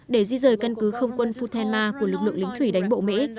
để di rời căn cứ không quân futenma của lực lượng lính thủy đánh bộ mỹ